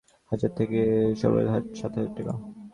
এসব সাইকেলের দাম সর্বনিম্ন পাঁচ হাজার থেকে সর্বোচ্চ সাত হাজার টাকা।